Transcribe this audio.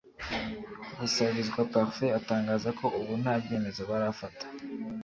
Busabizwa Parfait atangaza ko ubu nta byemezo barafata